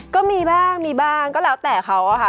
ก็มีบ้างมีบ้างก็แล้วแต่เขาอะค่ะ